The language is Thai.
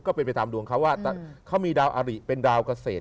ก็เป็นไปตามดวงเขาว่าเขามีดาวอริเป็นดาวกเศษ